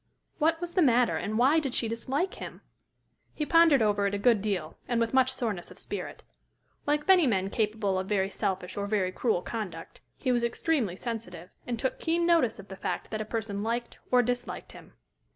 What was the matter, and why did she dislike him? He pondered over it a good deal, and with much soreness of spirit. Like many men capable of very selfish or very cruel conduct, he was extremely sensitive, and took keen notice of the fact that a person liked or disliked him.